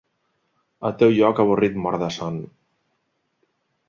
Al teu lloc, avorrit, mort de son